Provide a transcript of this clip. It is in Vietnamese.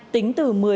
tính từ một mươi giây